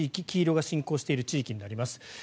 黄色が侵攻している地域になります。